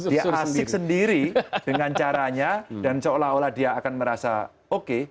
dia asik sendiri dengan caranya dan seolah olah dia akan merasa oke